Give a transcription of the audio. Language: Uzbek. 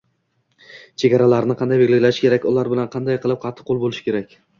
chegaralarni qanday belgilash kerak, ular bilan qanday qilib qattiqqo‘l bo‘lish kerak